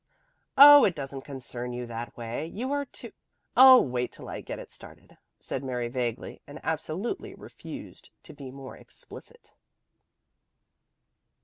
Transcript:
"Oh it doesn't concern you that way. You are to Oh wait till I get it started," said Mary vaguely; and absolutely refused to be more explicit.